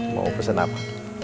mau pesen apa